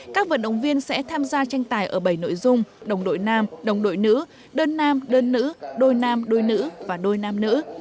các vận động viên sẽ tham gia tranh tài ở bảy nội dung đồng đội nam đồng đội nữ đơn nam đơn nữ đôi nam đôi nữ và đôi nam nữ